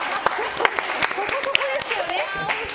そこそこですけどね。